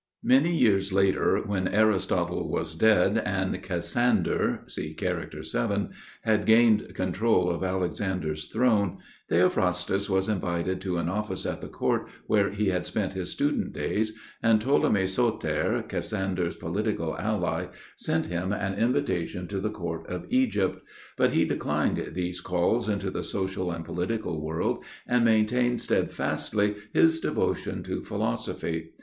Many years later, when Aristotle was dead and Cassander (see Character VII.) had gained control of Alexander's throne, Theophrastus was invited to an office at the court where he had spent his student days, and Ptolemy Soter, Cassander's political ally, sent him an invitation to the court of Egypt. But he declined these calls into the social and political world, and maintained steadfastly his devotion to philosophy.